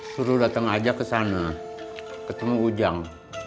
suruh datang aja kesana ketemu ujang